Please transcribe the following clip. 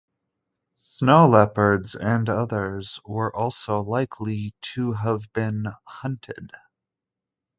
Snow leopards and others were also likely to have been hunted.